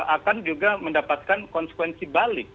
akan juga mendapatkan konsekuensi balik